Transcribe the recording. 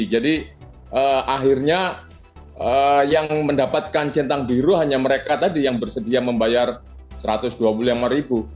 jadi akhirnya yang mendapatkan centang biru hanya mereka tadi yang bersedia membayar satu ratus dua puluh lima ribu